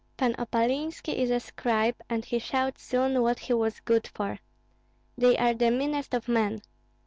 Pan Opalinski is a scribe, and he showed soon what he was good for. They are the meanest of men!